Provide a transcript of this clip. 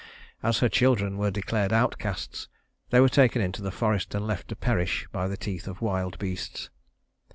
As her children were declared outcasts, they were taken into the forest and left to perish by the teeth of wild beasts.